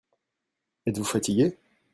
Êtes-vous fatigué ?